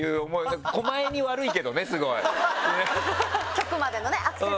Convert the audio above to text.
局までのねアクセスとか。